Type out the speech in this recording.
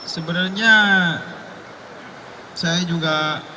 sebenarnya saya juga